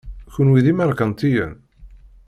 Kenwi d imerkantiyen?